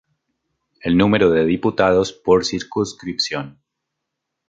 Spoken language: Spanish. El número de diputados por circunscripción.